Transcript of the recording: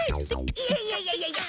いやいやいやいやいや！